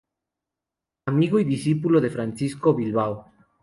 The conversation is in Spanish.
Amigo y discípulo de Francisco Bilbao.